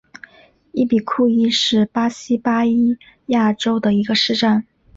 伊比库伊是巴西巴伊亚州的一个市镇。